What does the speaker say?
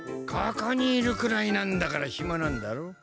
ここにいるくらいなんだからひまなんだろ。